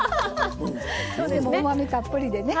どれもうまみたっぷりでね。